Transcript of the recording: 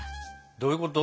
どういうこと？